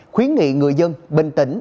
khuyến nghị người dân bình tĩnh